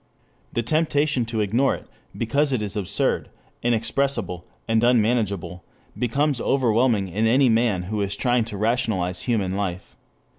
The temptation to ignore it, because it is absurd, inexpressible, and unmanageable, becomes overwhelming in any man who is trying to rationalize human life.